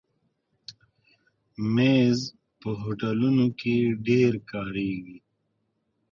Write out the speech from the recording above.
مېز په هوټلونو کې ډېر کارېږي.